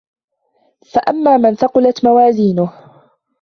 فأما من ثقلت موازينه